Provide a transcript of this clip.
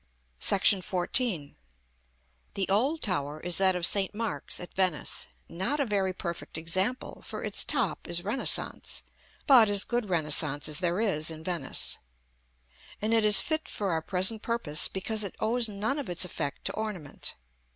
[Illustration: Plate VI. TYPES OF TOWERS. BRITISH VENETIAN.] § XIV. The old tower is that of St. Mark's at Venice, not a very perfect example, for its top is Renaissance, but as good Renaissance as there is in Venice; and it is fit for our present purpose, because it owes none of its effect to ornament.